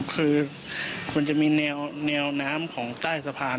คือควรจะมีแนวน้ำของใต้สะพาน